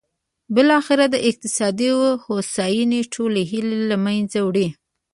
بالاخره د اقتصادي هوساینې ټولې هیلې له منځه وړي.